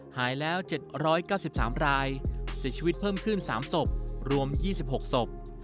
หายแล้ว๗๙๓รายเสียชีวิตเพิ่มขึ้น๓ศพรวม๒๖ศพ